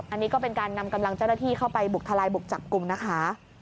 อันนี้ก็เป็นการนำกำลังเจ้าหน้าที่เข้าไปบุกทลายบุกจับกลุ่มนะคะ